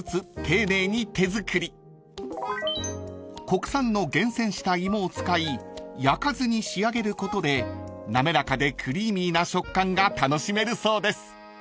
［国産の厳選した芋を使い焼かずに仕上げることで滑らかでクリーミーな食感が楽しめるそうです］